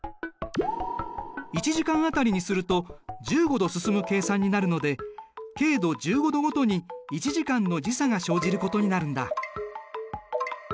１時間当たりにすると１５度進む計算になるので経度１５度ごとに１時間の時差が生じることになるんだ。